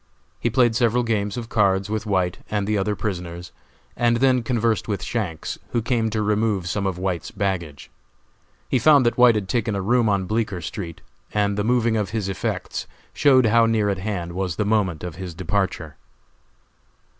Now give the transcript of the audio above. He played several games of cards with White and the other prisoners, and then conversed with Shanks, who came to remove some of White's baggage. He found that White had taken a room on Bleeker street, and the moving of his effects showed how near at hand was the moment of his departure.